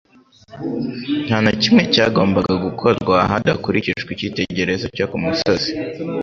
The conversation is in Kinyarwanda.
Nta na kimwe cyagombaga gukorwa hadakurikijwe icyitegerezo cyo ku musozi.